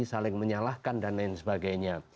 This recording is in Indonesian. saling menyalahkan dan lain sebagainya